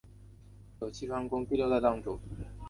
有栖川宫第六代当主。